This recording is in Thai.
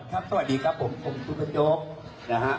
ครับสวัสดีครับผมผมคุณคุณโจ๊กนะฮะ